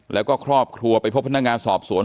แล้วก็ครอบครัวไปพบพนักงานสอบสวน